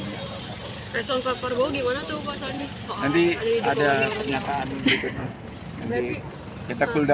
resolver prabowo gimana tuh pak sandi